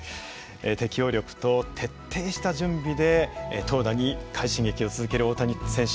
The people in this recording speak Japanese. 適応力と徹底した準備で投打に快進撃を続ける大谷選手。